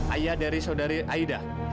ayah dari saudari aida